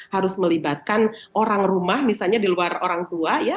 harus melibatkan orang rumah misalnya di luar orang tua ya